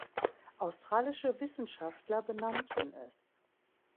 Australische Wissenschaftler benannten es.